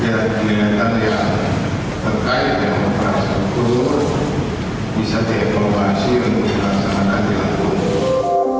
bisa dievolusi untuk perlaksanaan di lampung